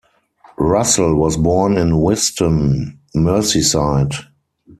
Russell was born in Whiston, Merseyside.